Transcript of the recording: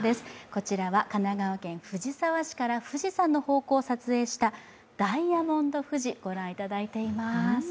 こちらは神奈川県藤沢市から富士山の方向を撮影したダイヤモンド富士、ご覧いただいています。